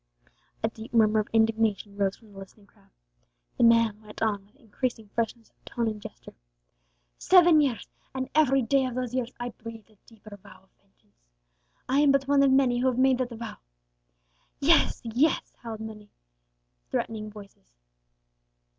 A deep murmur of indignation rose from the listening crowd. The man went on with increasing fierceness of tone and gesture. "Seven years! and every day of those years I breathed a deeper vow of vengeance. I am but one of many who have made that vow " "Yes, yes!" howled forth many threatening voices.